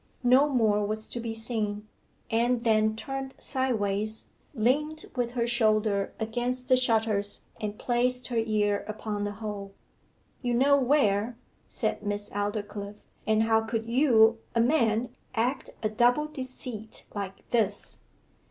No more was to be seen; Anne then turned sideways, leant with her shoulder against the shutters and placed her ear upon the hole. 'You know where,' said Miss Aldclyffe. 'And how could you, a man, act a double deceit like this?